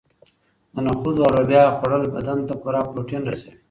د نخودو او لوبیا خوړل بدن ته پوره پروټین رسوي.